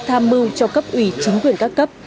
tham mưu cho cấp ủy chính quyền các cấp